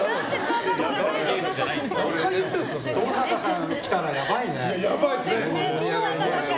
登坂さん来たらやばいね。